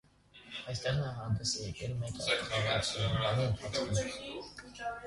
Այստեղ նա հանդես է եկել մեկ խաղաշրջանի ընթացքում։